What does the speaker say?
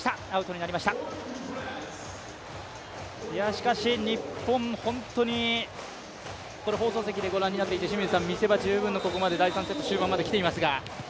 しかし日本、本当に放送席でご覧になっていて清水さん、見せ場十分の第３セット終盤まで来ていますが。